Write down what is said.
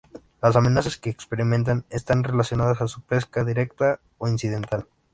Las amenazas que experimentan están relacionadas a su pesca directa o incidental.